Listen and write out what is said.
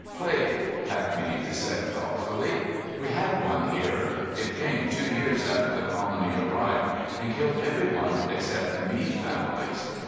"Plague," Pat Mead said thoughtfully. "We had one here. It came two years after the colony arrived and killed everyone except the Mead families.